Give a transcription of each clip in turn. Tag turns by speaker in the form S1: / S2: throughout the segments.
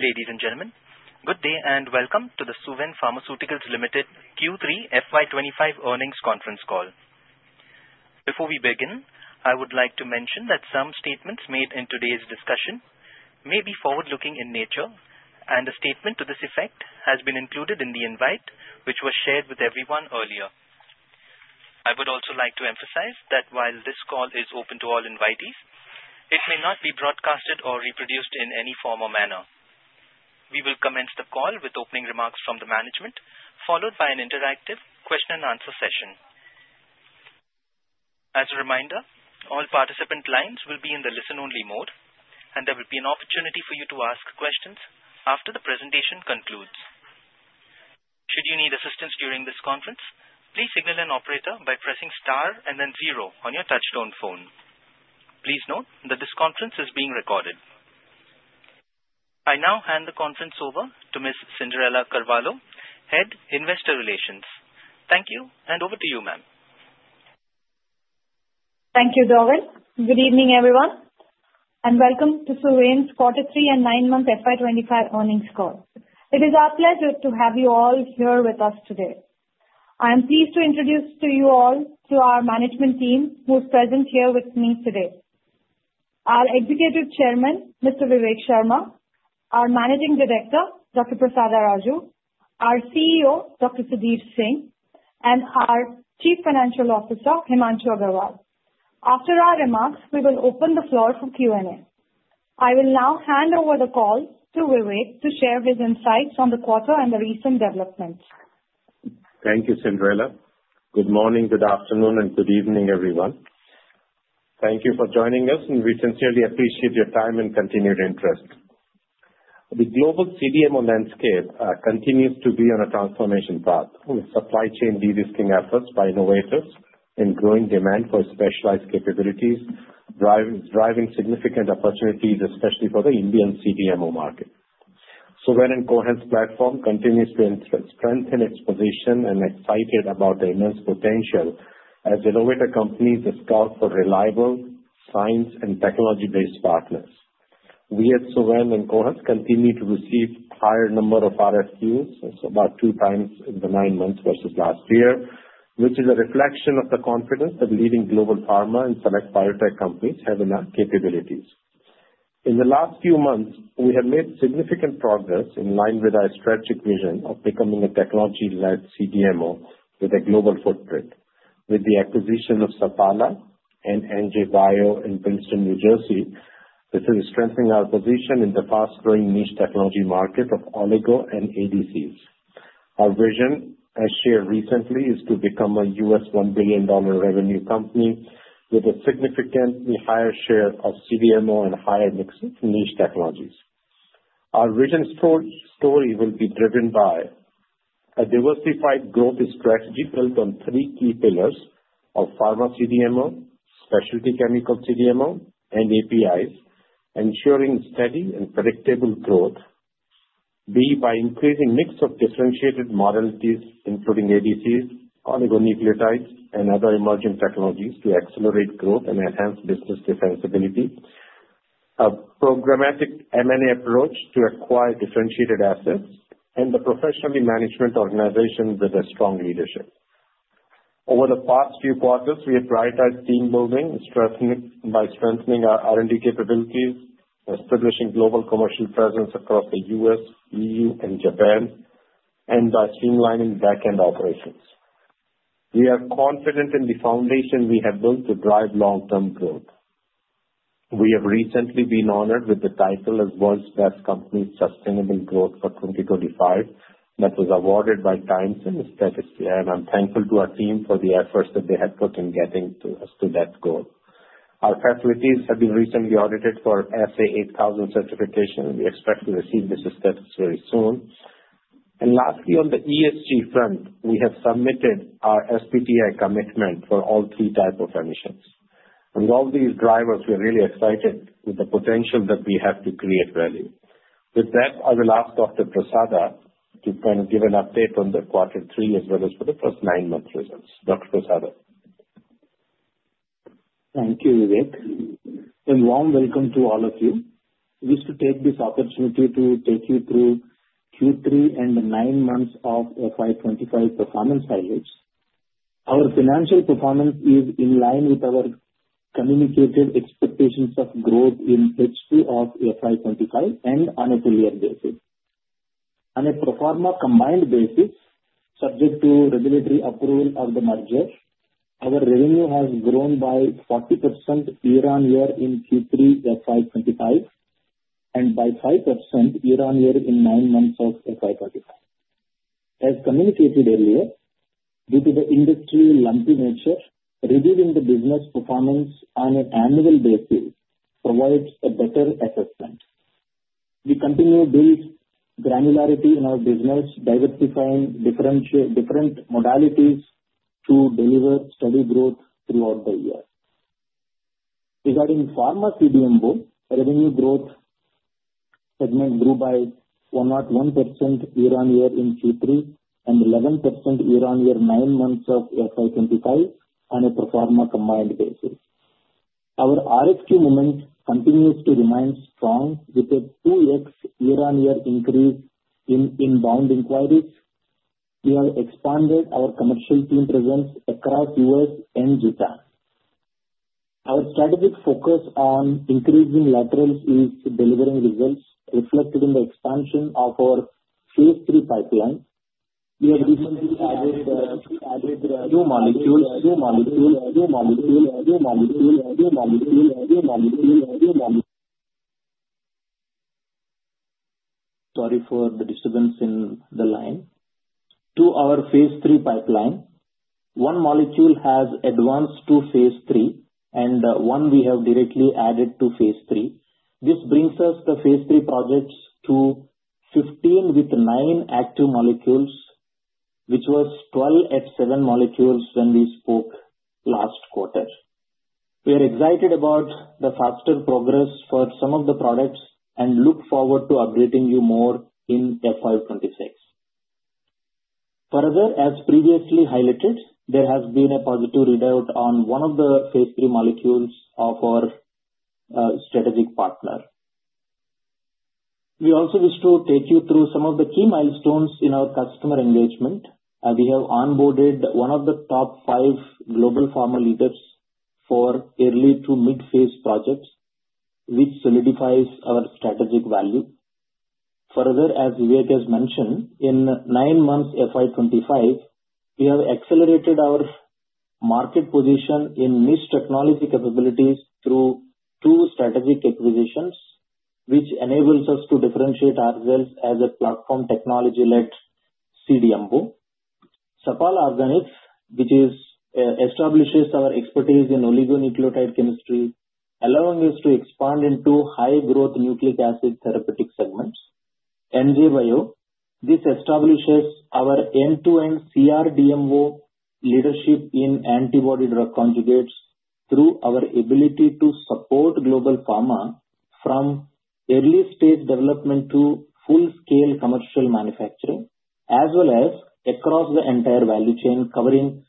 S1: Ladies and gentlemen, good day and welcome to the Suven Pharmaceuticals Limited Q3 FY25 Earnings Conference Call. Before we begin, I would like to mention that some statements made in today's discussion may be forward-looking in nature, and a statement to this effect has been included in the invite which was shared with everyone earlier. I would also like to emphasize that while this call is open to all invitees, it may not be broadcasted or reproduced in any form or manner. We will commence the call with opening remarks from the management, followed by an interactive question-and-answer session. As a reminder, all participant lines will be in the listen-only mode, and there will be an opportunity for you to ask questions after the presentation concludes. Should you need assistance during this conference, please signal an operator by pressing star and then zero on your touch-tone phone. Please note that this conference is being recorded. I now hand the conference over to Ms. Cyndrella Carvalho, Head Investor Relations. Thank you, and over to you, ma'am.
S2: Thank you, David. Good evening, everyone, and welcome to Suven's Q3 and nine-month FY25 earnings call. It is our pleasure to have you all here with us today. I am pleased to introduce to you all our management team who is present here with me today: our Executive Chairman, Mr. Vivek Sharma, our Managing Director, Dr. Prasada Raju, our CEO, Dr. Sudhir Singh, and our Chief Financial Officer, Himanshu Agarwal. After our remarks, we will open the floor for Q&A. I will now hand over the call to Vivek to share his insights on the quarter and the recent developments.
S3: Thank you, Cyndrella. Good morning, good afternoon, and good evening, everyone. Thank you for joining us, and we sincerely appreciate your time and continued interest. The global CDMO landscape continues to be on a transformation path with supply chain de-risking efforts by innovators and growing demand for specialized capabilities, driving significant opportunities, especially for the Indian CDMO market. Suven and Cohance's platform continues to strengthen its position and excited about the immense potential as innovator companies are starved for reliable science and technology-based partners. We at Suven and Cohance continue to receive a higher number of RFQs, about two times in the nine months versus last year, which is a reflection of the confidence that leading global pharma and select biotech companies have in our capabilities. In the last few months, we have made significant progress in line with our strategic vision of becoming a technology-led CDMO with a global footprint, with the acquisition of Sapala and NJ Bio in Princeton, New Jersey, which is strengthening our position in the fast-growing niche technology market of oligo and ADCs. Our vision, as shared recently, is to become a $1 billion revenue company with a significantly higher share of CDMO and higher mixed niche technologies. Our vision story will be driven by a diversified growth strategy built on three key pillars of Pharma CDMO, Specialty Chemical CDMO, and APIs, ensuring steady and predictable growth, by increasing the mix of differentiated modalities, including ADCs, oligonucleotides, and other emerging technologies to accelerate growth and enhance business defensibility, a programmatic M&A approach to acquire differentiated assets, and a professionally managed organization with strong leadership. Over the past few quarters, we have prioritized team building by strengthening our R&D capabilities, establishing global commercial presence across the US, EU, and Japan, and by streamlining back-end operations. We are confident in the foundation we have built to drive long-term growth. We have recently been honored with the title as World's Best Companies for Sustainable Growth 2025 that was awarded by TIME and Statista, and I'm thankful to our team for the efforts that they have put in getting us to that goal. Our facilities have been recently audited for SA8000 certification, and we expect to receive this status very soon. Lastly, on the ESG front, we have submitted our SBTi commitment for all three types of emissions. With all these drivers, we are really excited with the potential that we have to create value. With that, I will ask Dr. Prasada to kind of give an update on the Q3 as well as for the first nine-month results. Dr. Prasada.
S4: Thank you, Vivek. Warm welcome to all of you. I wish to take this opportunity to take you through Q3 and the nine months of FY25 performance highlights. Our financial performance is in line with our communicated expectations of growth in H2 of FY25 and on a two-year basis. On a pro forma combined basis, subject to regulatory approval of the merger, our revenue has grown by 40% year-on-year in Q3 FY25 and by 5% year-on-year in nine months of FY25. As communicated earlier, due to the industry lumpy nature, reviewing the business performance on an annual basis provides a better assessment. We continue to build granularity in our business, diversifying different modalities to deliver steady growth throughout the year. Regarding Pharma CDMO, revenue growth segment grew by 101% year-on-year in Q3 and 11% year-on-year nine months of FY25 on a pro forma combined basis. Our RFQ moment continues to remain strong, with a 2x year-on-year increase in inbound inquiries. We have expanded our commercial team presence across US and Japan. Our strategic focus on increasing laterals is delivering results, reflected in the expansion of our Phase III pipeline. We have recently added new molecules. Sorry for the disturbance in the line. To our Phase III pipeline, one molecule has advanced to Phase III, and one we have directly added to Phase III. This brings us the Phase III projects to 15 with nine active molecules, which was 12 at seven molecules when we spoke last quarter. We are excited about the faster progress for some of the products and look forward to updating you more in FY26. Further, as previously highlighted, there has been a positive readout on one of the Phase III molecules of our strategic partner. We also wish to take you through some of the key milestones in our customer engagement. We have onboarded one of the top five global pharma leaders for early to mid-phase projects, which solidifies our strategic value. Further, as Vivek has mentioned, in nine months FY25, we have accelerated our market position in niche technology capabilities through two strategic acquisitions, which enables us to differentiate ourselves as a platform technology-led CDMO. Sapala Organics, which establishes our expertise in oligonucleotide chemistry, allowing us to expand into high-growth nucleic acid therapeutic segments. NJ Bio, this establishes our end-to-end CDMO leadership in Antibody-Drug Conjugates through our ability to support global pharma from early-stage development to full-scale commercial manufacturing, as well as across the entire value chain, covering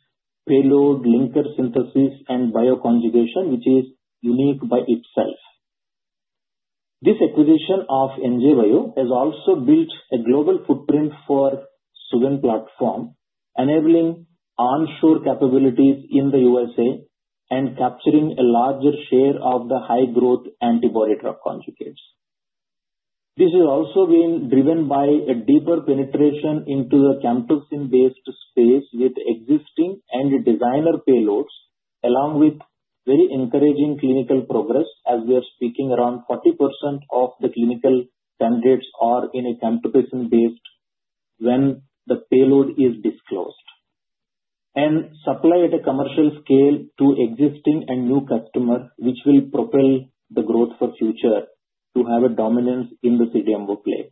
S4: payload, linker synthesis, and bioconjugation, which is unique by itself. This acquisition of NJ Bio has also built a global footprint for Suven platform, enabling onshore capabilities in the USA and capturing a larger share of the high-growth Antibody-Drug Conjugates. This has also been driven by a deeper penetration into the cytotoxin-based space with existing and designer payloads, along with very encouraging clinical progress, as we are speaking around 40% of the clinical candidates are in a cytotoxin-based when the payload is disclosed, and supply at a commercial scale to existing and new customers, which will propel the growth for the future to have a dominance in the CDMO play.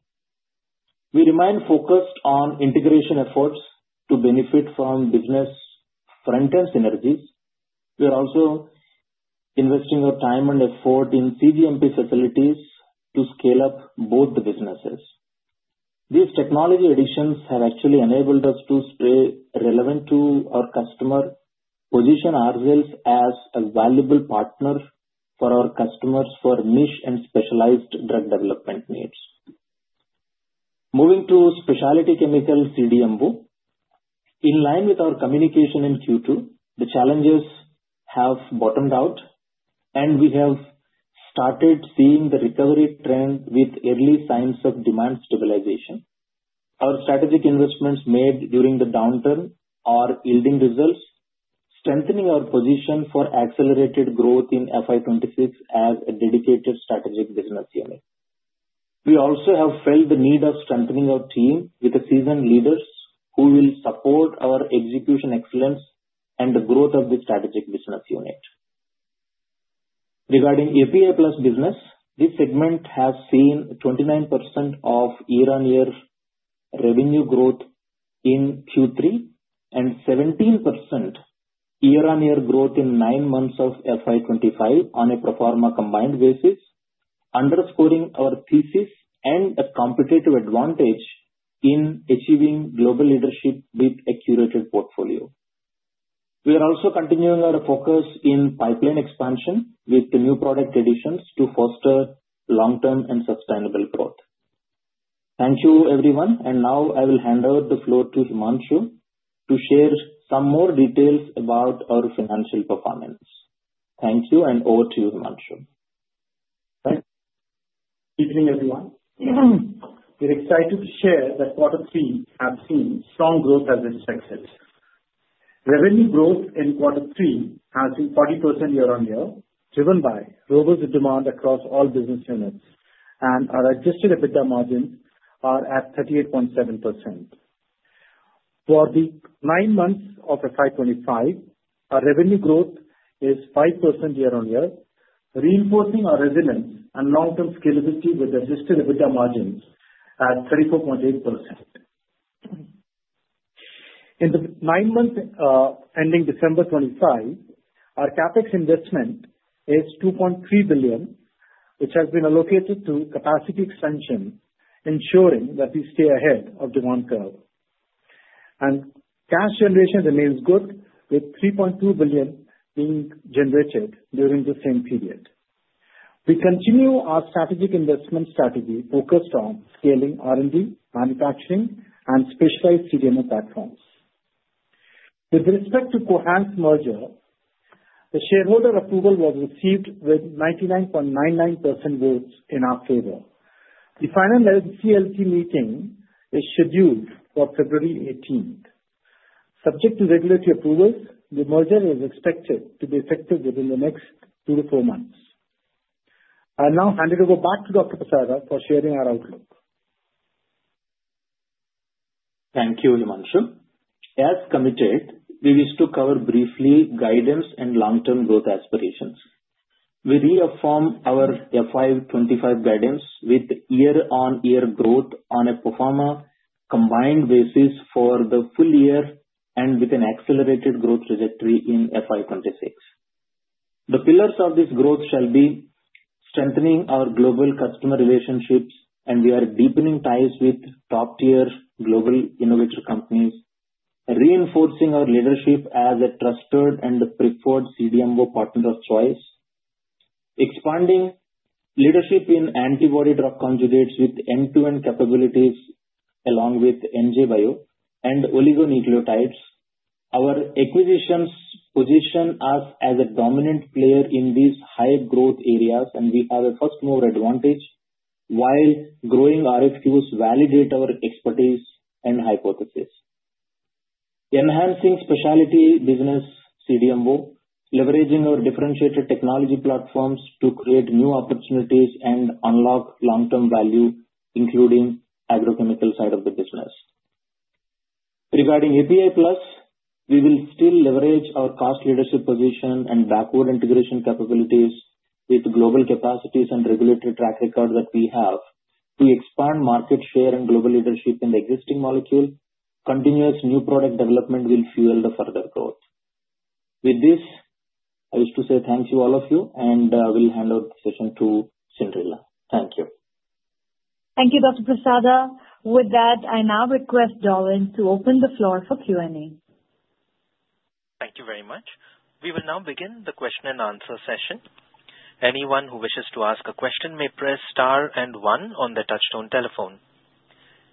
S4: We remain focused on integration efforts to benefit from business front-end synergies. We are also investing our time and effort in cGMP facilities to scale up both the businesses. These technology additions have actually enabled us to stay relevant to our customer, position ourselves as a valuable partner for our customers for niche and specialized drug development needs. Moving to Specialty Chemical CDMO, in line with our communication in Q2, the challenges have bottomed out, and we have started seeing the recovery trend with early signs of demand stabilization. Our strategic investments made during the downturn are yielding results, strengthening our position for accelerated growth in FY26 as a dedicated strategic business unit. We also have felt the need of strengthening our team with seasoned leaders who will support our execution excellence and the growth of the strategic business unit. Regarding API Plus business, this segment has seen 29% of year-on-year revenue growth in Q3 and 17% year-on-year growth in nine months of FY25 on a pro forma combined basis, underscoring our thesis and a competitive advantage in achieving global leadership with a curated portfolio. We are also continuing our focus in pipeline expansion with the new product additions to foster long-term and sustainable growth. Thank you, everyone. And now I will hand over the floor to Himanshu to share some more details about our financial performance. Thank you, and over to you, Himanshu.
S5: Thanks. Good evening, everyone. We're excited to share that Q3 has seen strong growth as expected. Revenue growth in Q3 has been 40% year-on-year, driven by robust demand across all business units, and our adjusted EBITDA margins are at 38.7%. For the nine months of FY 2025, our revenue growth is 5% year-on-year, reinforcing our resilience and long-term scalability with adjusted EBITDA margins at 34.8%. In the nine months ending 25 December, our CapEx investment is 2.3 billion, which has been allocated to capacity expansion, ensuring that we stay ahead of demand curve. And cash generation remains good, with 3.2 billion being generated during the same period. We continue our strategic investment strategy focused on scaling R&D, manufacturing, and specialized CDMO platforms. With respect to Cohance merger, the shareholder approval was received with 99.99% votes in our favor. The final NCLT meeting is scheduled for 18 February. Subject to regulatory approvals, the merger is expected to be effective within the next two to four months. I now hand it over back to Dr. Prasada for sharing our outlook.
S4: Thank you, Himanshu. As committed, we wish to cover briefly guidance and long-term growth aspirations. We reaffirm our FY25 guidance with year-on-year growth on a pro forma combined basis for the full year and with an accelerated growth trajectory in FY26. The pillars of this growth shall be strengthening our global customer relationships, and we are deepening ties with top-tier global innovator companies, reinforcing our leadership as a trusted and preferred CDMO partner of choice, expanding leadership in Antibody-Drug Conjugates with end-to-end capabilities along with NJ Bio and oligonucleotides. Our acquisitions position us as a dominant player in these high-growth areas, and we have a first-mover advantage, while growing RFQs validate our expertise and hypotheses. Enhancing specialty business CDMO, leveraging our differentiated technology platforms to create new opportunities and unlock long-term value, including the agrochemical side of the business. Regarding API Plus, we will still leverage our cost leadership position and backward integration capabilities with global capacities and regulatory track record that we have to expand market share and global leadership in the existing molecule. Continuous new product development will fuel the further growth. With this, I wish to say thank you, all of you, and we'll hand over the session to Cyndrella. Thank you.
S2: Thank you, Dr. Prasada. With that, I now request Dolan to open the floor for Q&A.
S1: Thank you very much. We will now begin the question and answer session. Anyone who wishes to ask a question may press star and one on the touch-tone telephone.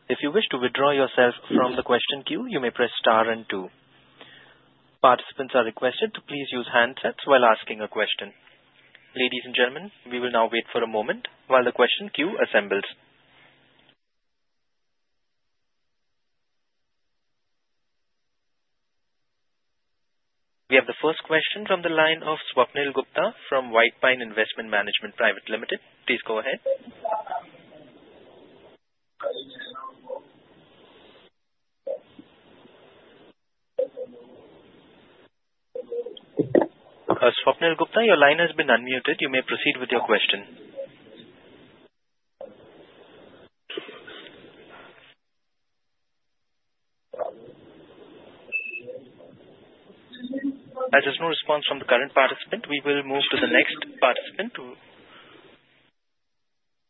S1: If you wish to withdraw yourself from the question queue, you may press star and two. Participants are requested to please use handsets while asking a question. Ladies and gentlemen, we will now wait for a moment while the question queue assembles. We have the first question from the line of Swapnil Gupta from White Pine Investment Management Private Limited. Please go ahead. Swapnil Gupta, your line has been unmuted. You may proceed with your question. As there's no response from the current participant, we will move to the next participant.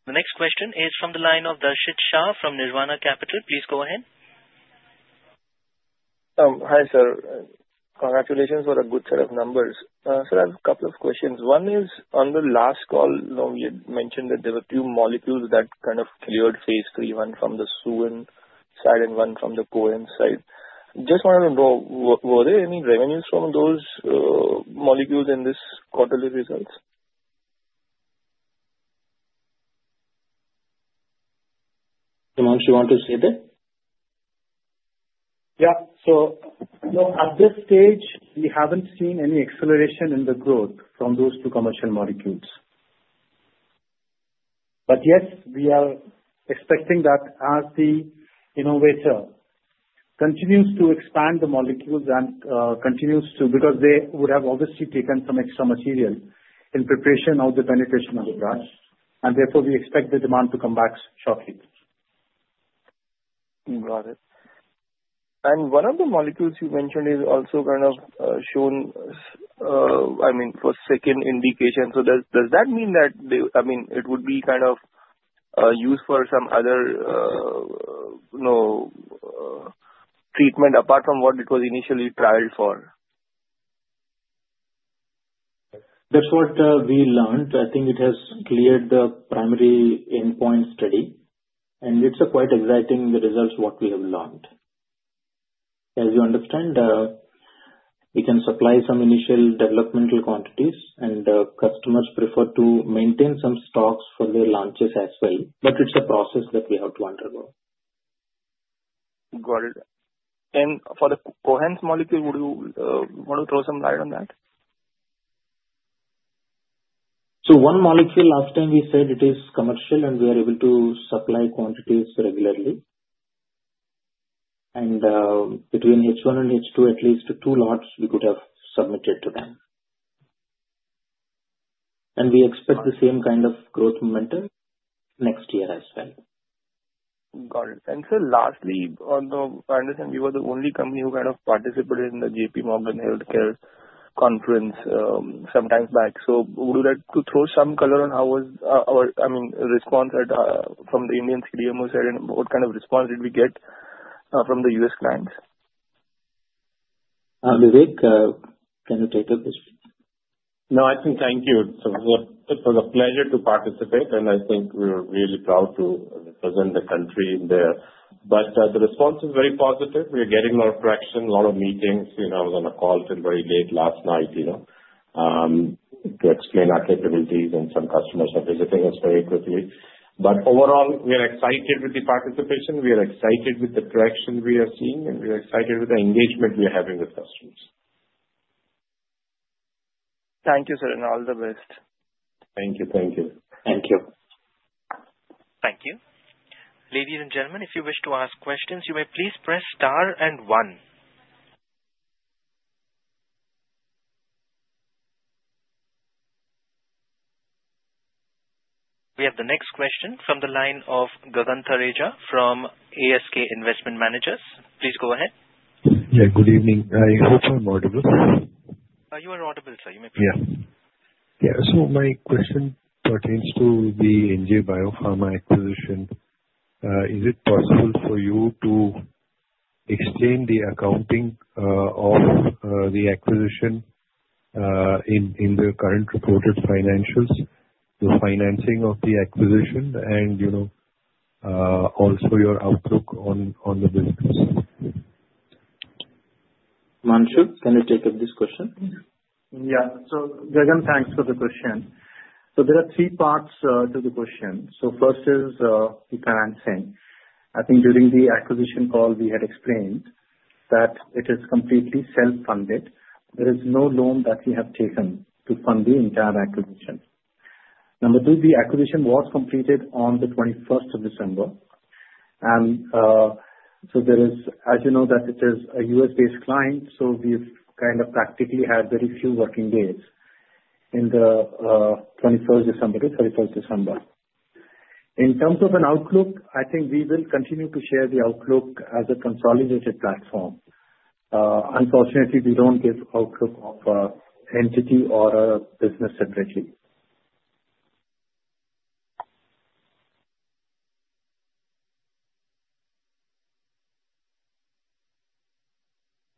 S1: The next question is from the line of Darshit Shah from Nirvana Capital. Please go ahead.
S6: Hi, sir. Congratulations for a good set of numbers. Sir, I have a couple of questions. One is on the last call, we had mentioned that there were a few molecules that kind of cleared Phase III, one from the Suven side and one from the Cohance side. Just wanted to know, were there any revenues from those molecules in this quarterly results?
S4: Himanshu, want to say that?
S5: Yeah, so at this stage, we haven't seen any acceleration in the growth from those two commercial molecules, but yes, we are expecting that as the innovator continues to expand the molecules and continues to, because they would have obviously taken some extra material in preparation of the penetration of the drug, and therefore, we expect the demand to come back shortly.
S7: Got it. And one of the molecules you mentioned is also kind of shown, I mean, for second indication. So does that mean that, I mean, it would be kind of used for some other treatment apart from what it was initially trialed for?
S4: That's what we learned. I think it has cleared the primary endpoint study, and it's quite exciting, the results, what we have learned. As you understand, we can supply some initial developmental quantities, and customers prefer to maintain some stocks for their launches as well, but it's a process that we have to undergo.
S6: Got it. And for the Cohance molecule, would you want to throw some light on that?
S4: One molecule, last time we said it is commercial, and we are able to supply quantities regularly. Between H1 and H2, at least two lots we could have submitted to them. We expect the same kind of growth momentum next year as well.
S6: Got it. And, sir, lastly, I understand you were the only company who kind of participated in the JPMorgan Healthcare conference some time back. So would you like to throw some color on how was our, I mean, response from the Indian CDMO side? And what kind of response did we get from the US clients?
S4: Vivek, can you take it?
S3: No, I think. Thank you. It was a pleasure to participate, and I think we were really proud to represent the country there. But the response is very positive. We are getting a lot of traction, a lot of meetings. I was on a call till very late last night to explain our capabilities, and some customers are visiting us very quickly. But overall, we are excited with the participation. We are excited with the traction we are seeing, and we are excited with the engagement we are having with customers.
S6: Thank you, sir, and all the best.
S4: Thank you.
S6: Thank you.
S1: Thank you. Ladies and gentlemen, if you wish to ask questions, you may please press star and one. We have the next question from the line of Gagan Thareja from ASK Investment Managers. Please go ahead.
S8: Yeah, good evening. I hope I'm audible.
S1: You are audible, sir. You may proceed.
S8: Yeah. Yeah. So my question pertains to the NJ Bio acquisition. Is it possible for you to explain the accounting of the acquisition in the current reported financials, the financing of the acquisition, and also your outlook on the business?
S4: Himanshu, can you take this question?
S5: Yeah. So Gagan, thanks for the question. So there are three parts to the question. So first is the financing. I think during the acquisition call, we had explained that it is completely self-funded. There is no loan that we have taken to fund the entire acquisition. Number two, the acquisition was completed on the 21st of December. And so there is, as you know, that it is a U.S.-based client, so we've kind of practically had very few working days in the 21st of December to 31st of December. In terms of an outlook, I think we will continue to share the outlook as a consolidated platform. Unfortunately, we don't give outlook of an entity or a business separately.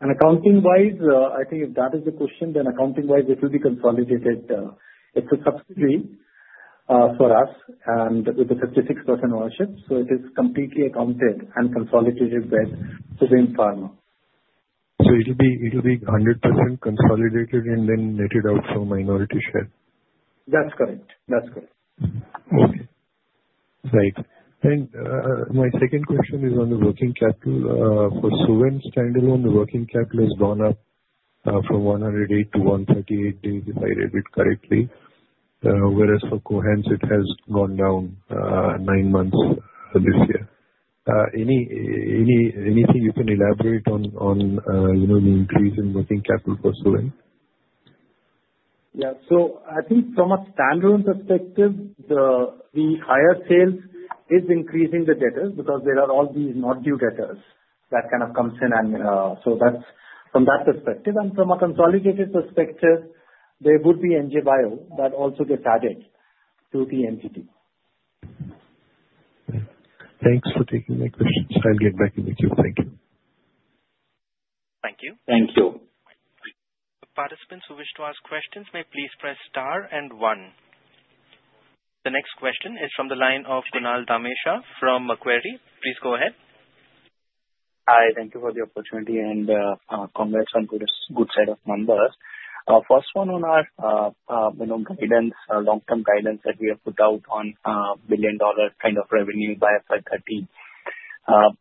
S5: And accounting-wise, I think if that is the question, then accounting-wise, it will be consolidated. It's a subsidiary for us with a 56% ownership. So it is completely accounted and consolidated with Suven Pharma.
S8: So it will be 100% consolidated and then netted out for minority share?
S5: That's correct. That's correct.
S8: Okay. Right. And my second question is on the working capital. For Suven standalone, the working capital has gone up from 108 to 138 days if I read it correctly, whereas for Cohance, it has gone down nine months this year. Anything you can elaborate on the increase in working capital for Suven?
S5: Yeah. So I think from a standalone perspective, the higher sales is increasing the debtors because there are all these not-due debtors that kind of come in. And so that's from that perspective. And from a consolidated perspective, there would be NJ Bio that also gets added to the entity.
S8: Thanks for taking my questions. I'll get back in with you. Thank you.
S1: Thank you.
S4: Thank you.
S1: Participants who wish to ask questions, may please press star and one. The next question is from the line of Kunal Dhamesha from Macquarie. Please go ahead.
S9: Hi. Thank you for the opportunity and congrats on good set of numbers. First one on our long-term guidance that we have put out on billion-dollar kind of revenue by FY 2030.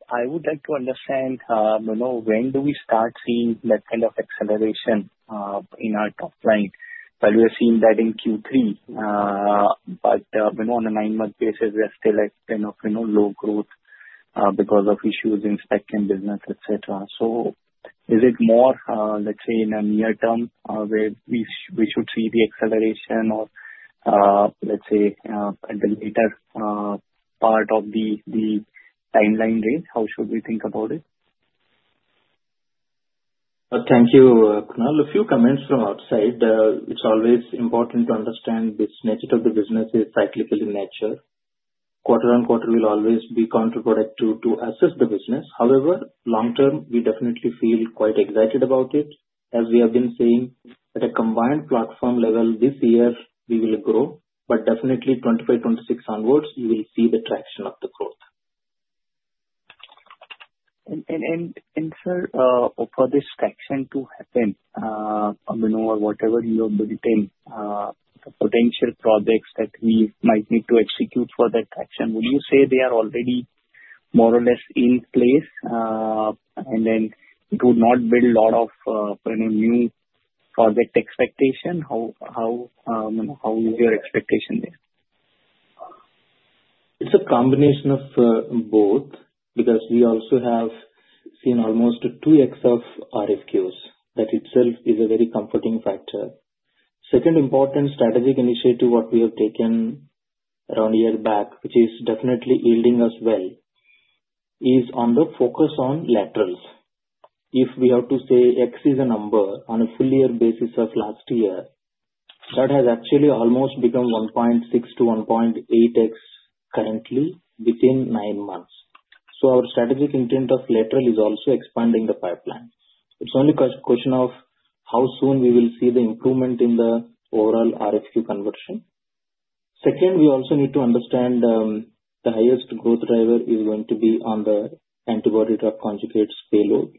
S9: I would like to understand when do we start seeing that kind of acceleration in our top line? Well, we have seen that in Q3, but on a nine-month basis, we are still at kind of low growth because of issues in Spec Chem business, etc. So is it more, let's say, in a near term where we should see the acceleration or, let's say, at the later part of the timeline, right? How should we think about it?
S4: Thank you, Kunal. A few comments from outside. It's always important to understand this nature of the business is cyclical in nature. Quarter-on-quarter will always be counterproductive to assess the business. However, long term, we definitely feel quite excited about it. As we have been saying, at a combined platform level, this year, we will grow, but definitely 2025, 2026 onwards, you will see the traction of the growth.
S9: And sir, for this traction to happen, whatever you have built in, the potential projects that we might need to execute for that traction, would you say they are already more or less in place? And then it would not build a lot of new project expectation. How is your expectation there?
S4: It's a combination of both because we also have seen almost two X of RFQs. That itself is a very comforting factor. Second important strategic initiative what we have taken around a year back, which is definitely yielding us well, is on the focus on laterals. If we have to say X is a number on a full-year basis of last year, that has actually almost become 1.6-1.8 X currently within nine months. So our strategic intent of lateral is also expanding the pipeline. It's only a question of how soon we will see the improvement in the overall RFQ conversion. Second, we also need to understand the highest growth driver is going to be on the Antibody-Drug Conjugates payload,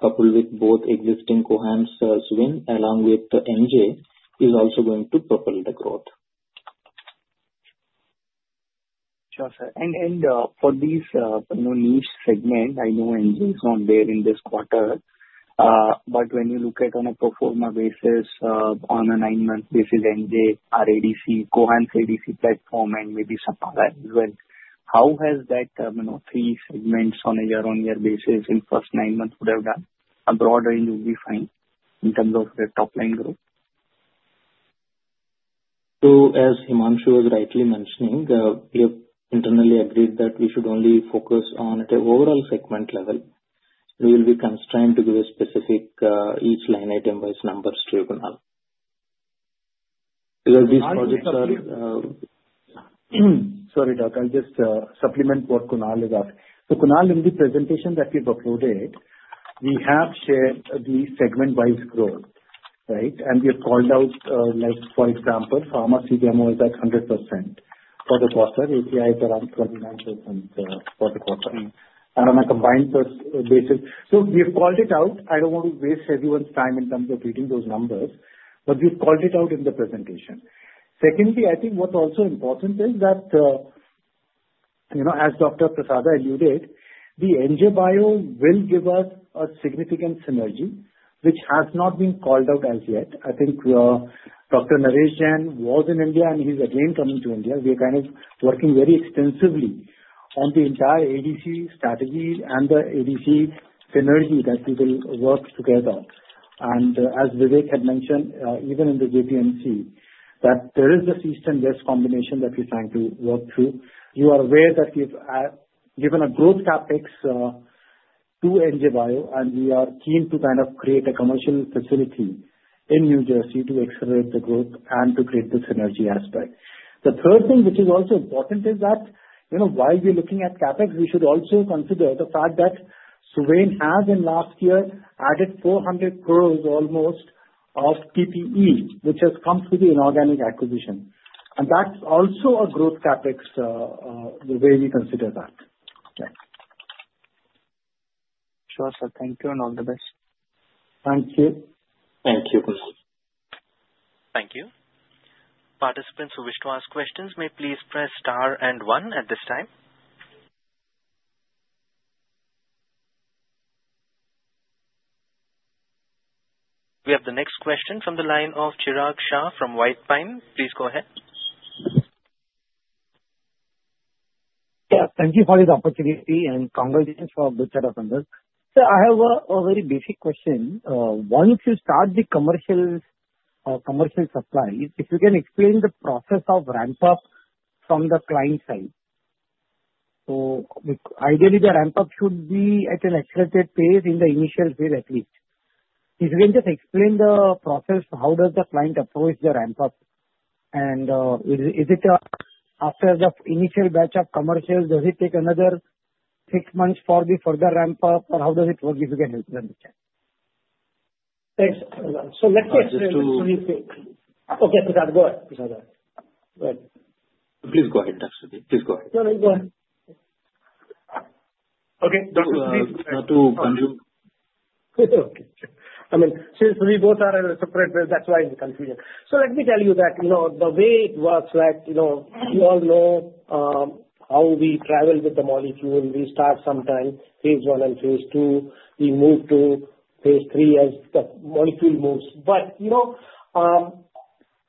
S4: coupled with both existing Cohance, Suven, along with NJ, is also going to propel the growth.
S9: Sure, sir. And for these niche segments, I know NJ is not there in this quarter. But when you look at on a pro forma basis, on a nine-month basis, NJ, our ADC, Cohance ADC platform, and maybe Sapala as well, how has that three segments on a year-on-year basis in the first nine months would have done? A broad range would be fine in terms of the top-line growth.
S4: So as Himanshu was rightly mentioning, we have internally agreed that we should only focus on an overall segment level. We will be constrained to give a specific each line item-wise numbers to you, Kunal. Because these projects are.
S5: Sorry, doc. I'll just supplement what Kunal is asking. So Kunal, in the presentation that we've uploaded, we have shared the segment-wise growth, right? And we have called out, for example, pharmaceuticals at 100% for the quarter, APIs around 29% for the quarter. And on a combined basis, so we have called it out. I don't want to waste everyone's time in terms of reading those numbers, but we've called it out in the presentation. Secondly, I think what's also important is that, as Dr. Prasada alluded, the NJ Bio will give us a significant synergy, which has not been called out as yet. I think Dr. Naresh Jain was in India, and he's again coming to India. We are kind of working very extensively on the entire ADC strategy and the ADC synergy that we will work together. As Vivek had mentioned, even in the JPMC, that there is this east and west combination that we're trying to work through. You are aware that we've given a growth CapEx to NJ Bio, and we are keen to kind of create a commercial facility in New Jersey to accelerate the growth and to create the synergy aspect. The third thing which is also important is that while we're looking at CapEx, we should also consider the fact that Suven has, in last year, added almost 400 crores of PPE, which has come through the inorganic acquisition. That's also a growth CapEx the way we consider that.
S9: Sure, sir. Thank you and all the best.
S4: Thank you.
S5: Thank you, Kunal.
S1: Thank you. Participants who wish to ask questions, may please press star and one at this time. We have the next question from the line of Chirag Shah from White Pine. Please go ahead.
S10: Yeah. Thank you for this opportunity and congratulations for a good set of numbers. Sir, I have a very basic question. Once you start the commercial supply, if you can explain the process of ramp-up from the client side. So ideally, the ramp-up should be at an accelerated pace in the initial phase at least. If you can just explain the process, how does the client approach the ramp-up? And is it after the initial batch of commercials, does it take another six months for the further ramp-up, or how does it work if you can help them with that?
S11: Thanks. So let me just. Just to. Okay, Prasada, go ahead. Prasada. Go ahead.
S4: Please go ahead. Please go ahead.
S11: No, no, go ahead. Okay. Not to confuse. I mean, since we both are in a separate phase, that's why the confusion. So let me tell you that the way it works, right, you all know how we travel with the molecule. We start Phase I and Phase II. We move to Phase III as the molecule moves. But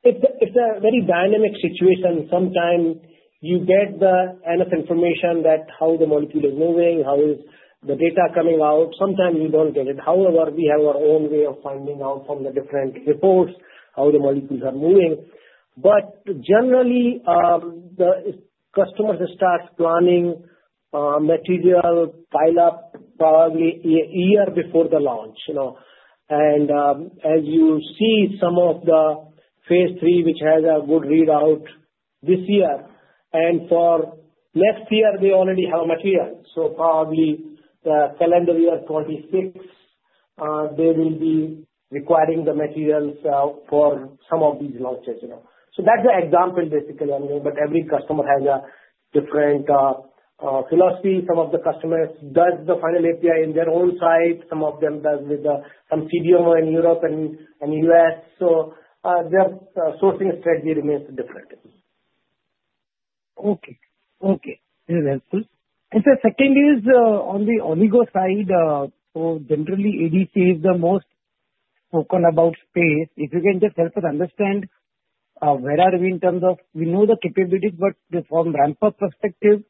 S11: it's a very dynamic situation. Sometimes you get enough information that how the molecule is moving, how is the data coming out. Sometimes you don't get it. However, we have our own way of finding out from the different reports how the molecules are moving. But generally, the customers start planning material pile-up probably a year before the launch. And as you see, some of the Phase III, which has a good readout this year, and for next year, they already have material. So probably the calendar year 2026, they will be requiring the materials for some of these launches. So that's the example, basically. But every customer has a different philosophy. Some of the customers do the final API in their own site. Some of them do with some CDMO in Europe and US. So their sourcing strategy remains different.
S10: Okay. Okay. This is helpful. And sir, second is on the oligo side, so generally, ADC is the most spoken about space. If you can just help us understand where are we in terms of we know the capabilities, but from ramp-up perspective,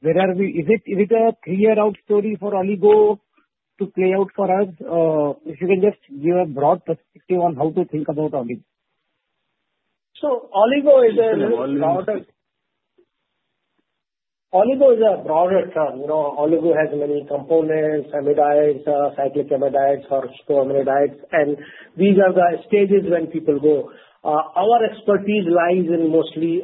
S10: where are we? Is it a three-year-out story for oligo to play out for us? If you can just give a broad perspective on how to think about oligo.
S11: Oligo is a broader term. Oligo has many components, amidites, cyclic amidites, xanthosine amidites. These are the stages when people go. Our expertise lies in mostly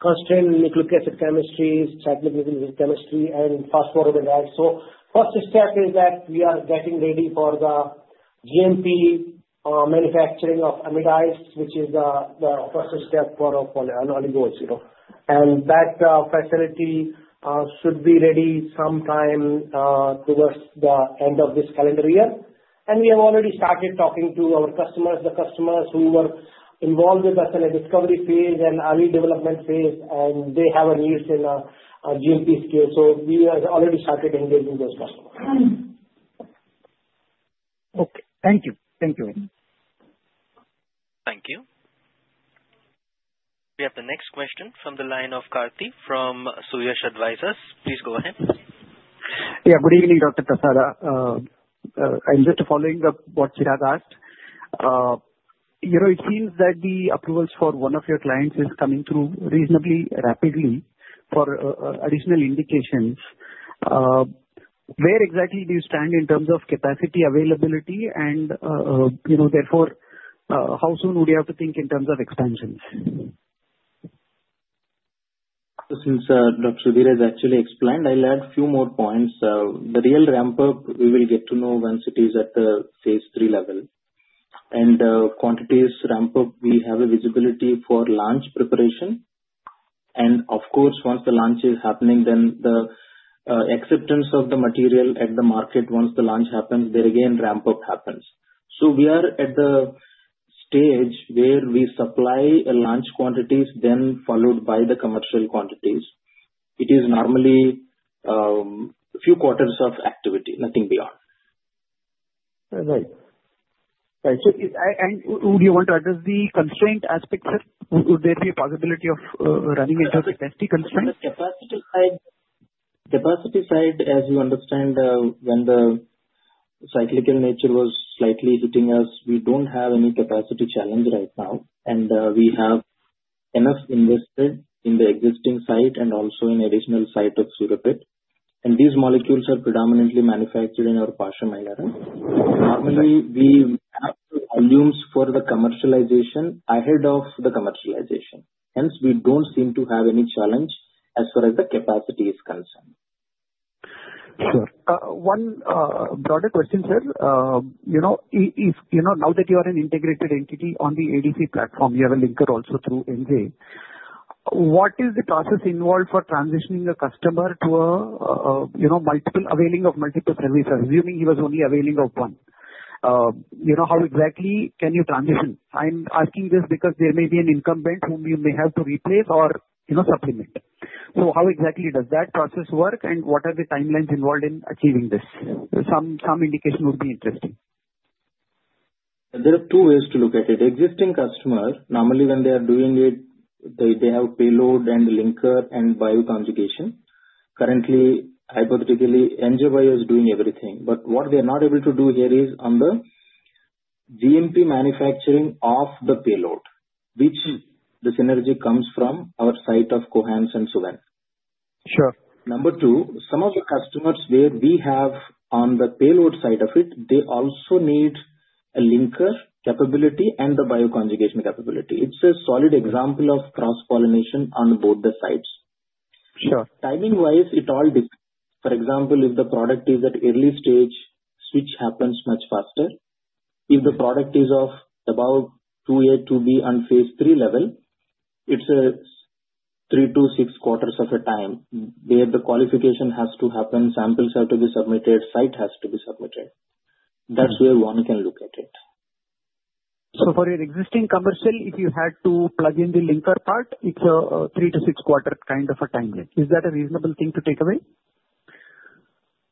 S11: constrained nucleic acid chemistries, cyclic nucleic acid chemistry, and phosphoramidites. The first step is that we are getting ready for the GMP manufacturing of amidites, which is the first step for oligos. That facility should be ready sometime towards the end of this calendar year. We have already started talking to our customers, the customers who were involved with us in the discovery phase and early development phase, and they have a need at GMP scale. We have already started engaging those customers.
S10: Okay. Thank you. Thank you very much.
S1: Thank you. We have the next question from the line of Kartik from Suyash Advisors. Please go ahead.
S12: Yeah. Good evening, Dr. Prasada. I'm just following up what Chirag asked. It seems that the approvals for one of your clients is coming through reasonably rapidly for additional indications. Where exactly do you stand in terms of capacity availability? And therefore, how soon would you have to think in terms of expansions?
S4: Since Dr. Sudhir has actually explained, I'll add a few more points. The real ramp-up, we will get to know once it is at the Phase III level, and quantities ramp-up, we have a visibility for launch preparation, and of course, once the launch is happening, then the acceptance of the material at the market, once the launch happens, there again ramp-up happens, so we are at the stage where we supply launch quantities, then followed by the commercial quantities. It is normally a few quarters of activity, nothing beyond.
S12: Right. Right. And would you want to address the constraint aspect, sir? Would there be a possibility of running into a capacity constraint?
S4: On the capacity side, as you understand, when the cyclical nature was slightly hitting us, we don't have any capacity challenge right now. And we have enough invested in the existing site and also in additional site of Suryapet. And these molecules are predominantly manufactured in our Pashamylaram. Normally, we have the volumes for the commercialization ahead of the commercialization. Hence, we don't seem to have any challenge as far as the capacity is concerned.
S12: Sure. One broader question, sir. Now that you are an integrated entity on the ADC platform, you have a linker also through NJ. What is the process involved for transitioning a customer to availing of multiple services, assuming he was only availing of one? How exactly can you transition? I'm asking this because there may be an incumbent whom you may have to replace or supplement. So how exactly does that process work, and what are the timelines involved in achieving this? Some indication would be interesting.
S4: There are two ways to look at it. Existing customers, normally when they are doing it, they have payload and linker and bioconjugation. Currently, hypothetically, NJ Bio is doing everything. But what they are not able to do here is on the GMP manufacturing of the payload, which the synergy comes from our site of Cohance and Suven.
S12: Sure.
S4: Number two, some of the customers where we have on the payload side of it, they also need a linker capability and the bioconjugation capability. It's a solid example of cross-pollination on both the sides.
S12: Sure.
S4: Timing-wise, it all depends. For example, if the product is at early stage, switch happens much faster. If the product is of about 2A, 2B on Phase III level, it's a Q3 to Q6 of a time where the qualification has to happen, samples have to be submitted, site has to be submitted. That's where one can look at it.
S12: For your existing commercial, if you had to plug in the linker part, it's a Q3 to Q6 kind of a timeline. Is that a reasonable thing to take away?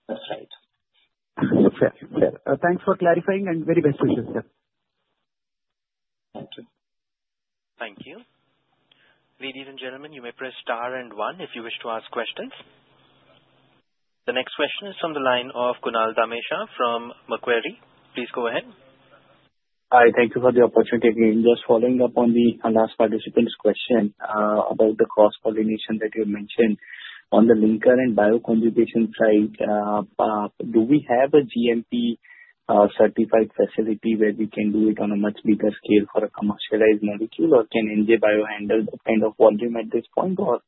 S4: That's right.
S12: Fair. Fair. Thanks for clarifying, and very beneficial, sir.
S4: Thank you.
S1: Thank you. Ladies and gentlemen, you may press star and one if you wish to ask questions. The next question is from the line of Kunal Dhamesha from Macquarie. Please go ahead.
S9: Hi. Thank you for the opportunity. I'm just following up on the last participant's question about the cross-pollination that you mentioned. On the linker and bioconjugation side, do we have a GMP-certified facility where we can do it on a much bigger scale for a commercialized molecule, or can NJ Bio handle that kind of volume at this point, or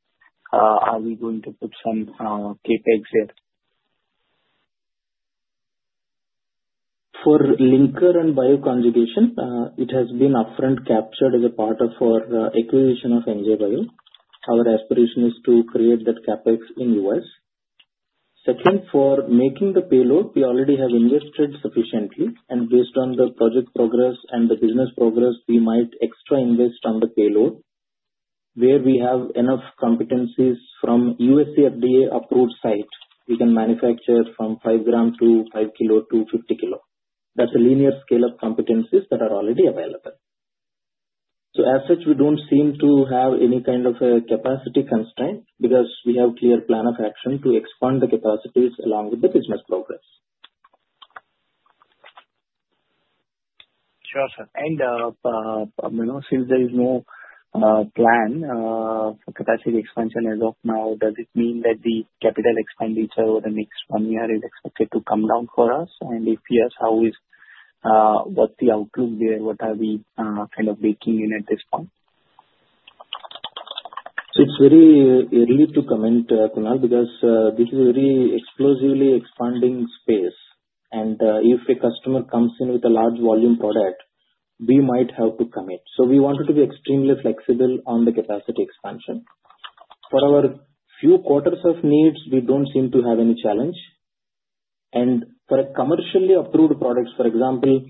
S9: are we going to put some CapEx there?
S4: For linker and bioconjugation, it has been upfront captured as a part of our acquisition of NJ Bio. Our aspiration is to create that CapEx in US. Second, for making the payload, we already have invested sufficiently. And based on the project progress and the business progress, we might extra invest on the payload where we have enough competencies from US FDA-approved site. We can manufacture from 5g to 5kg to 50k. That's a linear scale of competencies that are already available. So as such, we don't seem to have any kind of a capacity constraint because we have a clear plan of action to expand the capacities along with the business progress.
S9: Sure, sir. And since there is no plan for capacity expansion as of now, does it mean that the capital expenditure over the next one year is expected to come down for us? And if yes, what's the outlook there? What are we kind of baking in at this point?
S4: It's very early to comment, Kunal, because this is a very explosively expanding space and if a customer comes in with a large volume product, we might have to commit, so we wanted to be extremely flexible on the capacity expansion. For our few quarters of needs, we don't seem to have any challenge and for commercially approved products, for example,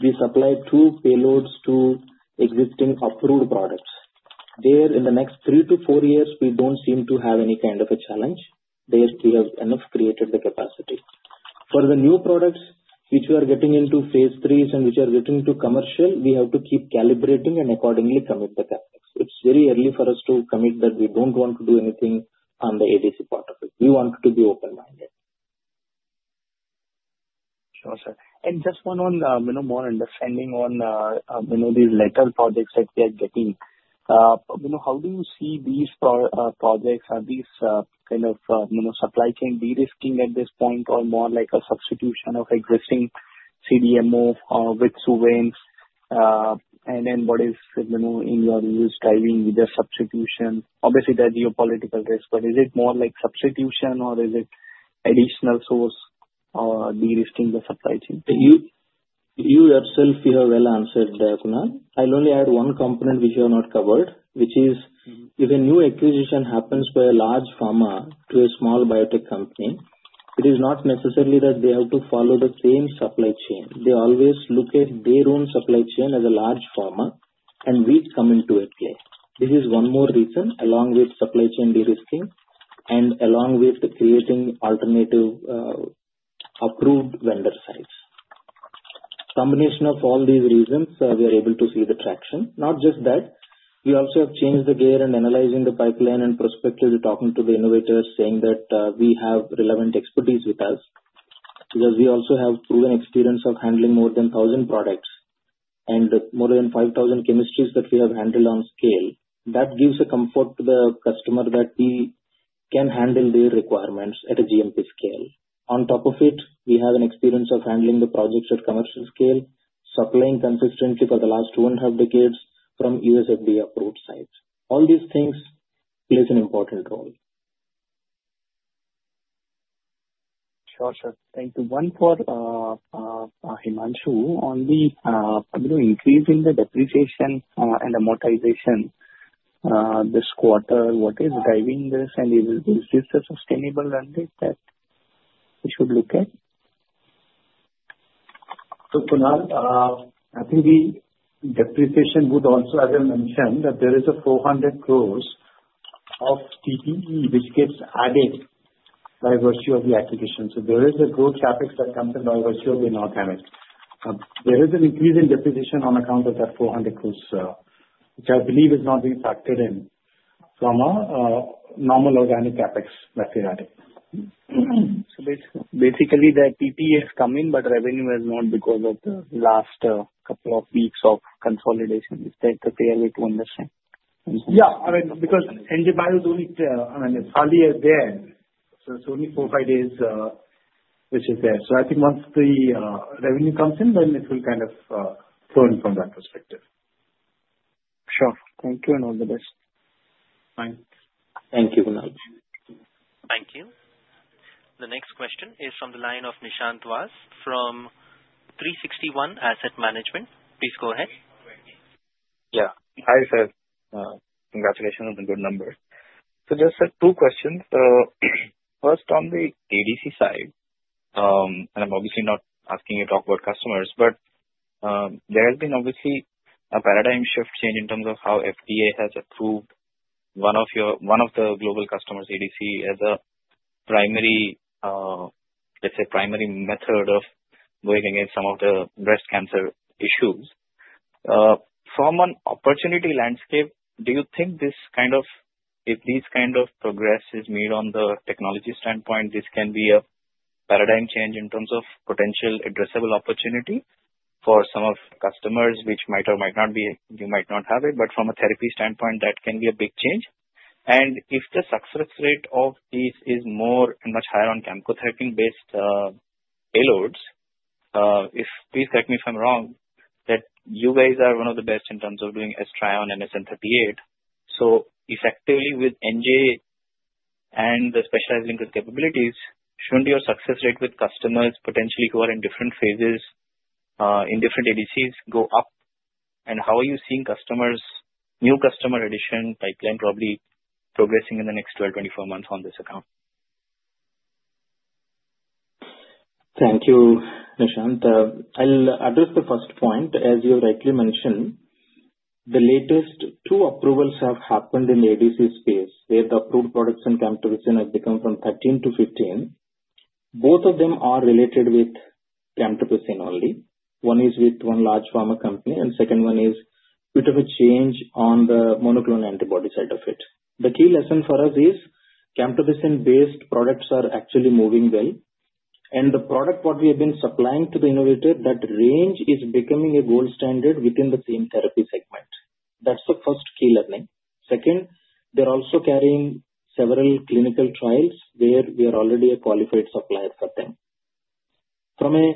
S4: we supply two payloads to existing approved products. There, in the next three to four years, we don't seem to have any kind of a challenge. There's enough capacity created. For the new products, which we are getting into Phase IIIs and which are getting into commercial, we have to keep calibrating and accordingly commit the CapEx. It's very early for us to commit that we don't want to do anything on the ADC part of it. We want to be open-minded.
S9: Sure, sir. And just one more understanding on these later projects that we are getting. How do you see these projects? Are these kind of supply chain derisking at this point or more like a substitution of existing CDMO with Suven? And then what is in your view driving the substitution? Obviously, there are geopolitical risks, but is it more like substitution, or is it additional source or derisking the supply chain?
S4: You yourself, you have well answered, Kunal. I'll only add one component which you have not covered, which is if a new acquisition happens by a large pharma to a small biotech company, it is not necessarily that they have to follow the same supply chain. They always look at their own supply chain as a large pharma, and we come into play. This is one more reason, along with supply chain derisking and along with creating alternative approved vendor sites. Combination of all these reasons, we are able to see the traction. Not just that, we also have changed the gear and analyzing the pipeline and perspective to talking to the innovators, saying that we have relevant expertise with us because we also have proven experience of handling more than 1,000 products and more than 5,000 chemistries that we have handled on scale. That gives a comfort to the customer that we can handle their requirements at a GMP scale. On top of it, we have an experience of handling the projects at commercial scale, supplying consistently for the last two and a half decades from U.S. FDA-approved sites. All these things play an important role.
S9: Sure, sir. Thank you. One for Himanshu on the increase in the depreciation and amortization this quarter. What is driving this? And is this a sustainable ramp-up that we should look at?
S5: Kunal, I think the depreciation would also, as I mentioned, that there is a 400 crores of PPE, which gets added by virtue of the application. There is a gross CapEx that comes in by virtue of the amount added. There is an increase in depreciation on account of that 400 crores, which I believe is not being factored in from a normal organic CapEx that we are adding.
S9: So basically, the PPE has come in, but revenue has not because of the last couple of weeks of consolidation. Is that the way to understand?
S5: Yeah. I mean, because NJ Bio is only, I mean, it's hardly there. So it's only four, five days which is there. So I think once the revenue comes in, then it will kind of flow in from that perspective.
S9: Sure. Thank you and all the best.
S5: Fine.
S4: Thank you, Kunal.
S1: Thank you. The next question is from the line of Nishant Vass from 360 ONE Asset. Please go ahead.
S13: Yeah. Hi, sir. Congratulations on the good numbers. So just two questions. First, on the ADC side, and I'm obviously not asking you to talk about customers, but there has been obviously a paradigm shift change in terms of how FDA has approved one of the global customers, ADC, as a primary, let's say, primary method of going against some of the breast cancer issues. From an opportunity landscape, do you think this kind of, if this kind of progress is made on the technology standpoint, this can be a paradigm change in terms of potential addressable opportunity for some of customers, which might or might not be, you might not have it, but from a therapy standpoint, that can be a big change? And if the success rate of these is more and much higher on chemotherapy-based payloads, if please correct me if I'm wrong, that you guys are one of the best in terms of doing exatecan and SN-38. So effectively, with NJ and the specialized linker capabilities, shouldn't your success rate with customers potentially who are in different phases, in different ADCs, go up? And how are you seeing customers, new customer addition pipeline probably progressing in the next 12-24 months on this account?
S4: Thank you, Nishant. I'll address the first point. As you rightly mentioned, the latest two approvals have happened in the ADC space where the approved products in chemicals have become from 13 to 15. Both of them are related with chemicals only. One is with one large pharma company, and the second one is a bit of a change on the monoclonal antibody side of it. The key lesson for us is chemicals-based products are actually moving well, and the product what we have been supplying to the innovator, that range is becoming a gold standard within the same therapy segment. That's the first key learning. Second, they're also carrying several clinical trials where we are already a qualified supplier for them. From an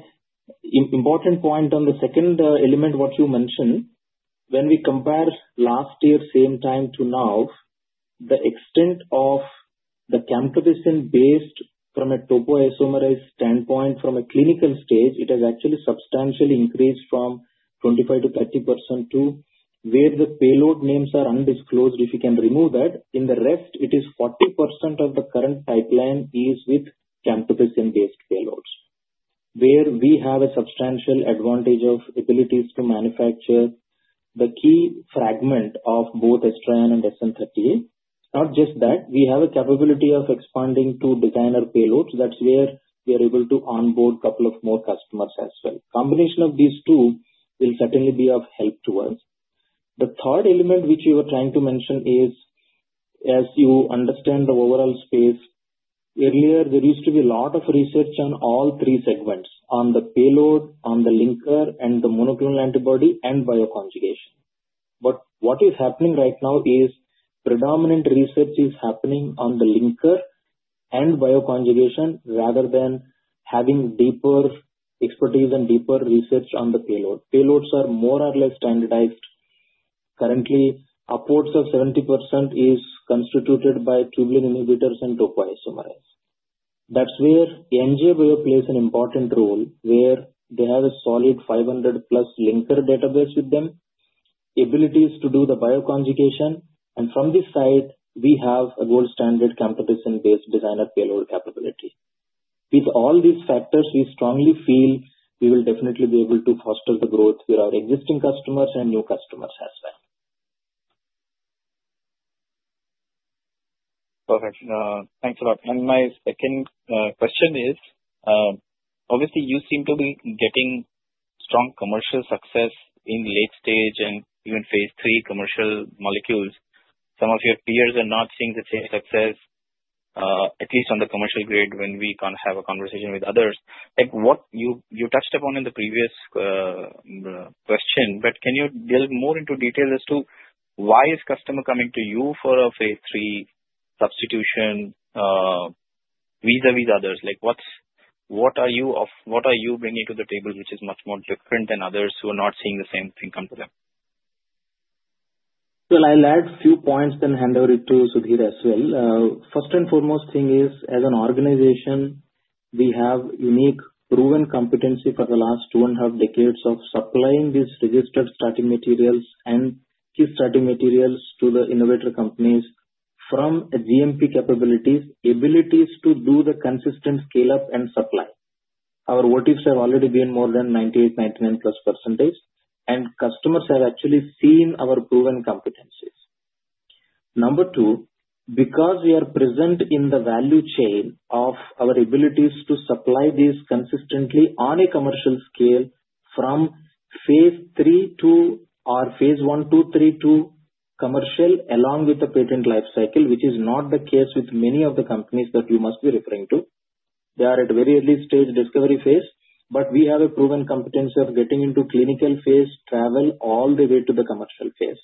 S4: important point on the second element, what you mentioned, when we compare last year's same time to now, the extent of the chemicals-based from a topoisomerase standpoint from a clinical stage, it has actually substantially increased from 25% to 30% to where the payload names are undisclosed. If you can remove that, in the rest, it is 40% of the current pipeline is with chemicals-based payloads where we have a substantial advantage of abilities to manufacture the key fragment of both exatecan and SN-38. Not just that, we have a capability of expanding to designer payloads. That's where we are able to onboard a couple of more customers as well. Combination of these two will certainly be of help to us. The third element which we were trying to mention is, as you understand the overall space, earlier, there used to be a lot of research on all three segments: on the payload, on the linker, and the monoclonal antibody and bioconjugation. But what is happening right now is predominant research is happening on the linker and bioconjugation rather than having deeper expertise and deeper research on the payload. Payloads are more or less standardized. Currently, upwards of 70% is constituted by tubulin inhibitors and topoisomerase. That's where NJ Bio plays an important role where they have a solid 500-plus linker database with them, abilities to do the bioconjugation. And from this side, we have a gold standard chemicals-based designer payload capability. With all these factors, we strongly feel we will definitely be able to foster the growth with our existing customers and new customers as well.
S13: Perfect. Thanks a lot. And my second question is, obviously, you seem to be getting strong commercial success in late stage and even Phase III commercial molecules. Some of your peers are not seeing the same success, at least on the commercial grade when we have a conversation with others. What you touched upon in the previous question, but can you delve more into detail as to why is customer coming to you for a Phase III substitution vis-à-vis others? What are you bringing to the table which is much more different than others who are not seeing the same thing come to them?
S4: I'll add a few points, then hand over to Sudhir as well. First and foremost thing is, as an organization, we have unique proven competency for the last two and a half decades of supplying these registered starting materials and key starting materials to the innovator companies from GMP capabilities, abilities to do the consistent scale-up and supply. Our metrics have already been more than 98%, 99-plus%, and customers have actually seen our proven competencies. Number two, because we are present in the value chain of our abilities to supply these consistently on a commercial scale from Phase III to or Phase I, II, III to commercial along with the patent lifecycle, which is not the case with many of the companies that you must be referring to. They are at very early stage discovery phase, but we have a proven competency of getting into clinical phase, travel all the way to the commercial phase.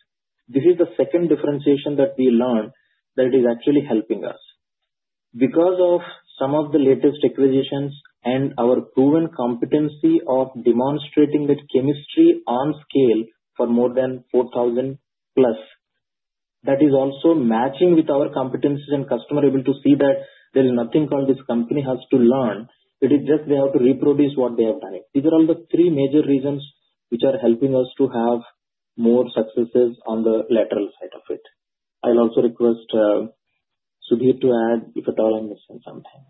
S4: This is the second differentiation that we learned that is actually helping us. Because of some of the latest acquisitions and our proven competency of demonstrating that chemistry on scale for more than 4,000 plus, that is also matching with our competencies and customer able to see that there is nothing called this company has to learn. It is just they have to reproduce what they have done. These are all the three major reasons which are helping us to have more successes on the lateral side of it. I'll also request Sudhir to add if at all I'm missing something.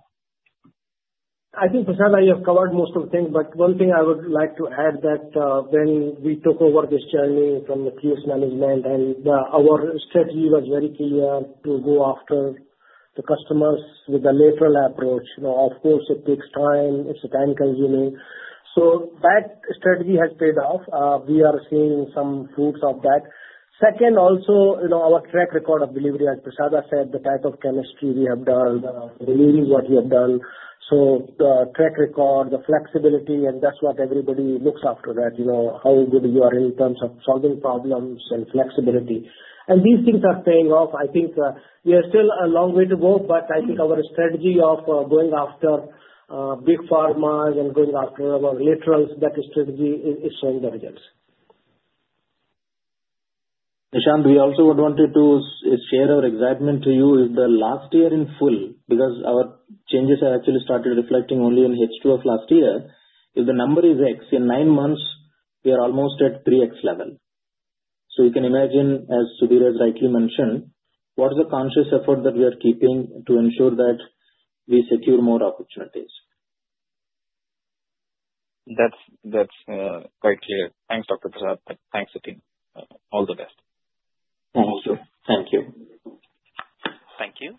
S11: I think, Nishant, I have covered most of the things, but one thing I would like to add, that when we took over this journey from the Cohance management and our strategy was very clear to go after the customers with a lateral approach. Of course, it takes time. It's time-consuming. So that strategy has paid off. We are seeing some fruits of that. Second, also our track record of delivery, as Prasada said, the type of chemistry we have done, delivering what we have done. So the track record, the flexibility, and that's what everybody looks after that, how good you are in terms of solving problems and flexibility. And these things are paying off. I think we are still a long way to go, but I think our strategy of going after big pharmas and going after our laterals, that strategy is showing dividends.
S4: Nishant, we also would wanted to share our excitement to you with the last year in full because our changes have actually started reflecting only in H2 of last year. If the number is X, in nine months, we are almost at 3X level. So you can imagine, as Sudhir has rightly mentioned, what is the conscious effort that we are keeping to ensure that we secure more opportunities?
S13: That's quite clear. Thanks, Dr. Prasada. Thanks, Sudhir. All the best.
S4: Thank you.
S1: Thank you.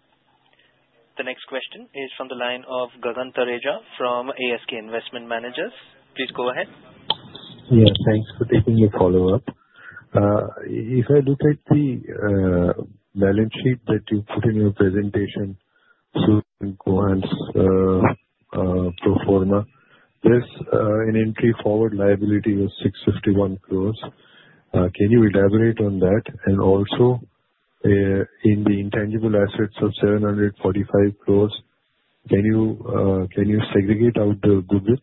S1: The next question is from the line of Gagan Thareja from ASK Investment Managers. Please go ahead.
S8: Yes. Thanks for taking the follow-up. If I look at the balance sheet that you put in your presentation, so Cohance's pro forma, there's an entry forward liability of 651 crores. Can you elaborate on that? And also, in the intangible assets of 745 crores, can you segregate out the goodwill?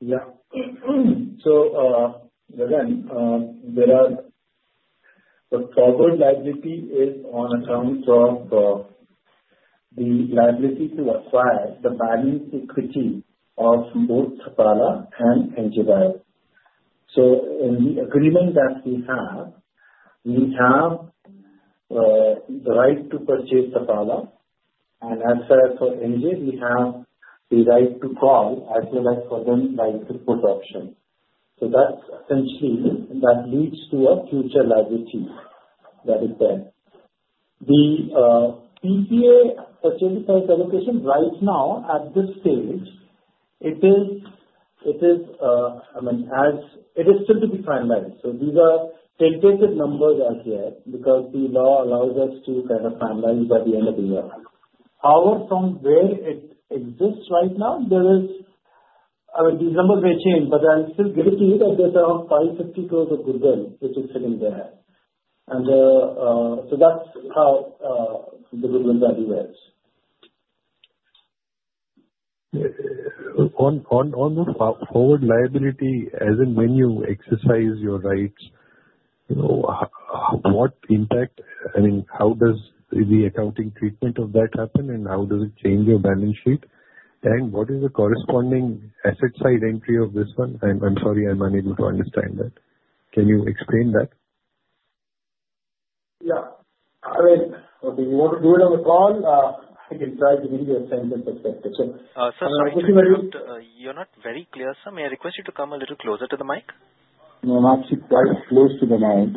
S4: Yeah. So Gagan, there are the forward liability is on account of the liability to acquire the balance equity of both Sapala and NJ Bio. So in the agreement that we have, we have the right to purchase Sapala. And as for NJ, we have the right to call as well as for them by the put option. So that's essentially that leads to a future liability that is there. The PPA purchase allocation right now, at this stage, it is, I mean, as it is still to be finalized. So these are tentative numbers as yet because the law allows us to kind of finalize by the end of the year. However, from where it exists right now, there is, I mean, these numbers may change, but I'll still give it to you that there's around 550 crores of goodwill which is sitting there. That's how the goodwill value is.
S8: On the forward liability, as in when you exercise your rights, what impact, I mean, how does the accounting treatment of that happen and how does it change your balance sheet? And what is the corresponding asset side entry of this one? I'm sorry, I'm unable to understand that. Can you explain that?
S4: Yeah. I mean, if you want to do it on the phone, I can try to give you a sentence.
S1: Sir, sorry. You're not very clear, sir. May I request you to come a little closer to the mic?
S4: No, not quite close to the mic.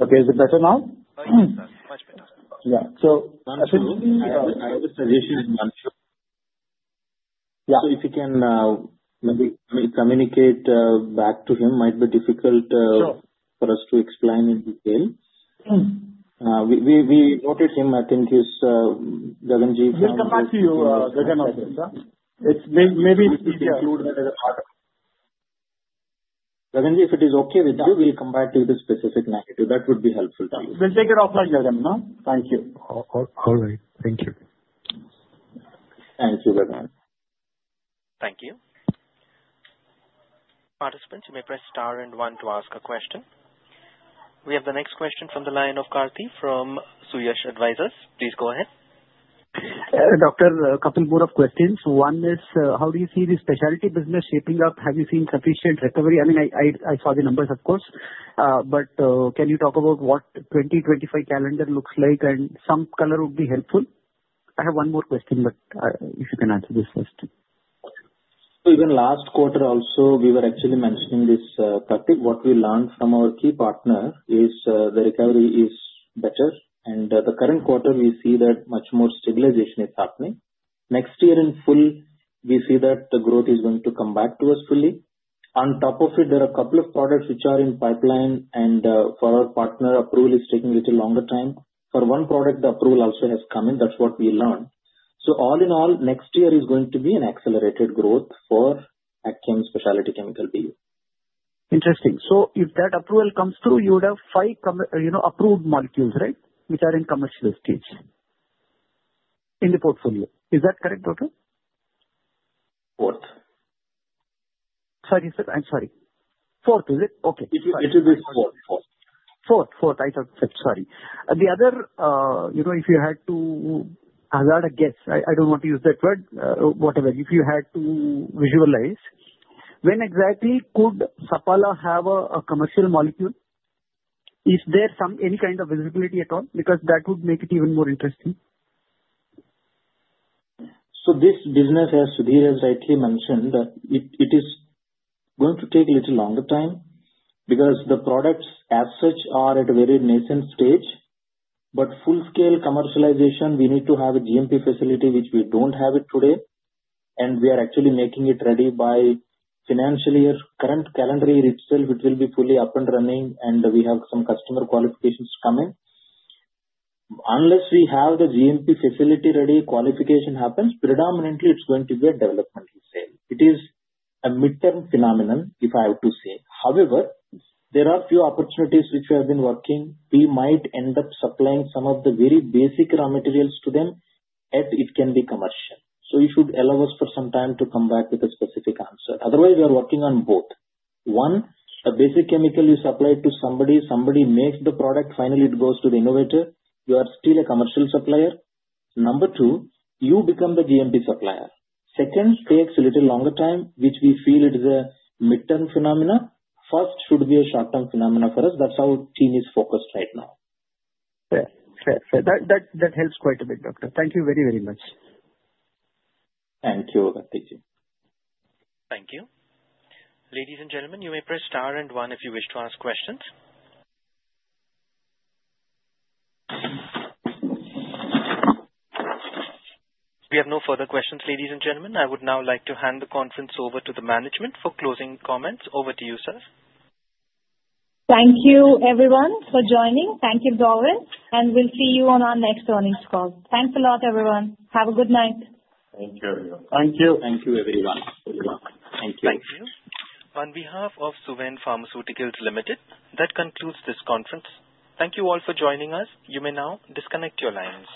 S4: Okay. Is it better now?
S1: Oh, yes. Much better.
S4: Yeah. So I have a suggestion for Himanshu. So if you can maybe communicate back to him, it might be difficult for us to explain in detail. We know the man, I think he's Gaganji.
S5: We'll come back to you, Gaganji.
S4: Maybe include him as a part of. Gagan, if it is okay with you, we'll come back to the specific narrative. That would be helpful to you. We'll take it offline, Gagan. Thank you.
S8: All right. Thank you.
S4: Thank you, Gagan.
S1: Thank you. Participants, you may press star and one to ask a question. We have the next question from the line of Kartik from Suyash Advisors. Please go ahead.
S12: Doctor, a couple more questions. One is, how do you see the specialty business shaping up? Have you seen sufficient recovery? I mean, I saw the numbers, of course. But can you talk about what the 2025 calendar looks like? And some color would be helpful. I have one more question, but if you can answer this first.
S4: So even last quarter also, we were actually mentioning this, Kartik. What we learned from our key partner is the recovery is better. And the current quarter, we see that much more stabilization is happening. Next year in full, we see that the growth is going to come back to us fully. On top of it, there are a couple of products which are in pipeline, and for our partner, approval is taking a little longer time. For one product, the approval also has come in. That's what we learned. So all in all, next year is going to be an accelerated growth for AgChem Specialty Chemicals BU.
S12: Interesting. So if that approval comes through, you would have five approved molecules, right, which are in commercial stage in the portfolio. Is that correct, Doctor?
S4: Fourth.
S12: Sorry, sir. I'm sorry. Fourth, is it? Okay.
S4: It is fourth.
S12: Fourth. I thought fifth. Sorry. The other, if you had to hazard a guess, I don't want to use that word, whatever, if you had to visualize, when exactly could Sapala have a commercial molecule? Is there any kind of visibility at all? Because that would make it even more interesting.
S4: So this business, as Sudhir has rightly mentioned, it is going to take a little longer time because the products as such are at a very nascent stage. But full-scale commercialization, we need to have a GMP facility, which we don't have today. And we are actually making it ready by financial year current calendar year itself; it will be fully up and running, and we have some customer qualifications coming. Unless we have the GMP facility ready, qualification happens, predominantly, it's going to be a developmental sale. It is a midterm phenomenon, if I have to say. However, there are a few opportunities which we have been working. We might end up supplying some of the very basic raw materials to them as it can be commercial. So you should allow us for some time to come back with a specific answer. Otherwise, we are working on both. One, a basic chemical you supply to somebody, somebody makes the product, finally, it goes to the innovator. You are still a commercial supplier. Number two, you become the GMP supplier. Second, it takes a little longer time, which we feel it is a midterm phenomenon. First should be a short-term phenomenon for us. That's how our team is focused right now.
S12: Fair. That helps quite a bit, Doctor. Thank you very, very much.
S4: Thank you.
S1: Thank you. Ladies and gentlemen, you may press star and one if you wish to ask questions. We have no further questions, ladies and gentlemen. I would now like to hand the conference over to the management for closing comments. Over to you, sir.
S2: Thank you, everyone, for joining. Thank you, Darwin, and we'll see you on our next earnings call. Thanks a lot, everyone. Have a good night.
S11: Thank you.
S5: Thank you.
S4: Thank you, everyone. Thank you.
S1: On behalf of Suven Pharmaceuticals Limited, that concludes this conference. Thank you all for joining us. You may now disconnect your lines.